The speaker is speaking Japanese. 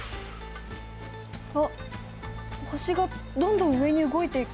あっ星がどんどん上に動いていく。